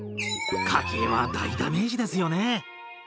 家計は大ダメージですよね。